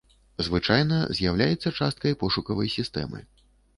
Звычайна з'яўляецца часткай пошукавай сістэмы.